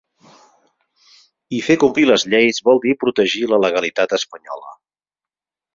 I fer complir les lleis vol dir protegir la legalitat espanyola.